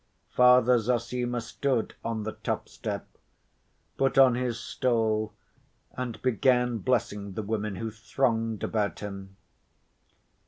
Father Zossima stood on the top step, put on his stole, and began blessing the women who thronged about him.